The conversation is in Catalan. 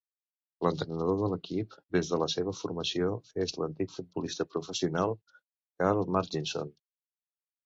L'entrenador de l'equip des de la seva formació és l'antic futbolista professional Karl Marginson.